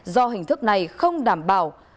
do hình thức này không đảm bảo